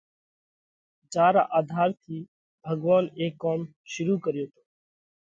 جيا را آڌار ٿِي ڀڳوونَ اي ڪوم شرُوع ڪريو تو۔